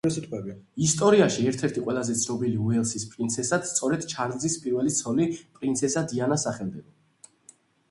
ისტორიაში ერთ-ერთ ყველაზე ცნობილ უელსის პრინცესად სწორედ ჩარლზის პირველი ცოლი, პრინცესა დიანა სახელდება.